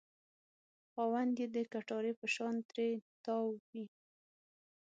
خاوند یې د کټارې په شان ترې تاو وي.